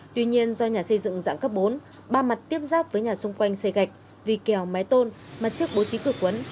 tuy nhiên do nhà xây dựng dạng cấp bốn ba mặt tiếp giáp với nhà xung quanh xe gạch vị kèo máy tôn mặt trước bố trí cửa quấn